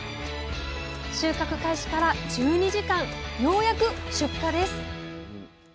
収穫開始から１２時間ようやく出荷です。